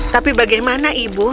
tapi bagaimana ibu